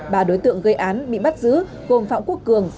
ba đối tượng gây án bị bắt giữ gồm phạm quốc cường